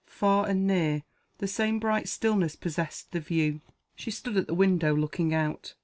Far and near, the same bright stillness possessed the view. She stood at the window looking out.